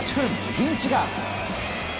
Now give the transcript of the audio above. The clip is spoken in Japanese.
ピンチが。